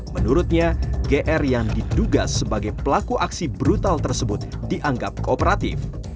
menurutnya gr yang diduga sebagai pelaku aksi brutal tersebut dianggap kooperatif